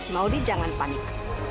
mau d jangan panik